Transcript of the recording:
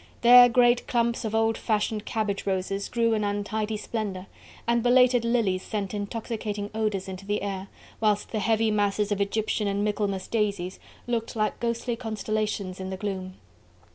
There great clumps of old fashioned cabbage roses grew in untidy splendour, and belated lilies sent intoxicating odours into the air, whilst the heavy masses of Egyptian and Michaelmas daisies looked like ghostly constellations in the gloom.